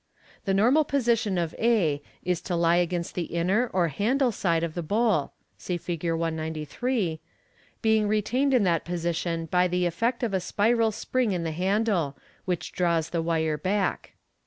The normal position of a is to lie against the inner or handle side of the bowl (set MODERN MAGIC. 359 Fig. 193), being retained in that position by the effect of a spiral pring in the handle, which draws the wire back.